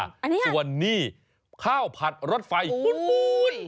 ส่วนนี้ข้าวผัดรสไฟปูน